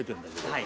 はい。